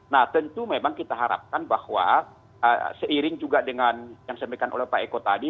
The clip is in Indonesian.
nah tentu memang kita harapkan bahwa seiring juga dengan yang disampaikan oleh pak eko tadi